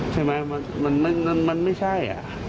ใช่ไหมมันไม่ใช่